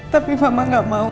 tapi mama gak mau